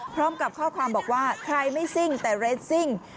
พร้อมกับข้อความบอกว่าใครไม่ซิ่งแต่เรสซิ่ง